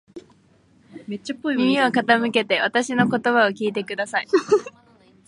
耳を傾けてわたしの言葉を聞いてください。